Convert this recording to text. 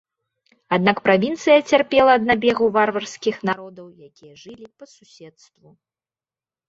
Аднак правінцыя цярпела ад набегаў варварскіх народаў, якія жылі па суседству.